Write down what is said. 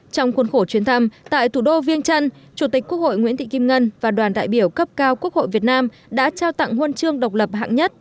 trong khuôn khổ chuyến thăm tại thủ đô viên trăn chủ tịch quốc hội nguyễn thị kim ngân và đoàn đại biểu cấp cao quốc hội việt nam đã trao tặng huân chương độc lập hạng nhất